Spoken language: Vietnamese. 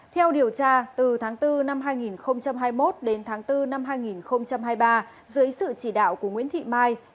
theo điều tra từ tháng bốn năm hai nghìn hai mươi một đến tháng bốn năm hai nghìn hai mươi ba dưới sự chỉ đạo của nguyễn thị mai